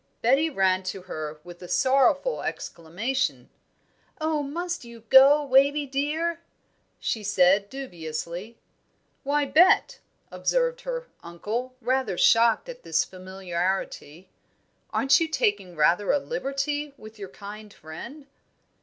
Betty ran to her with a sorrowful exclamation. "Oh, must you go, Wavie, dear?" she said, dubiously. "Why, Bet," observed her uncle, rather shocked at this familiarity, "aren't you taking rather a liberty with your kind friend?"